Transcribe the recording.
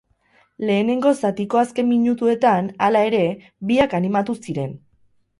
Lehenengo zatiko azken minutuetan, hala ere, biak animatu ziren.